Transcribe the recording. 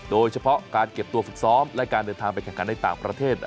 โดยเฉพาะการเก็บตัวฝึกซ้อมและการเดินทางไปแข่งขันในต่างประเทศ